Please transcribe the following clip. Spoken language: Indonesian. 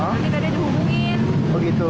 nanti tadi dihubungin